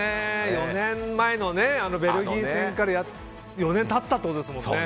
４年前のベルギー戦から４年経ったってことですもんね。